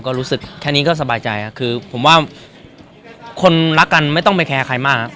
ก็รู้สึกแค่นี้ก็สบายใจครับคือผมว่าคนรักกันไม่ต้องไปแคร์ใครมาก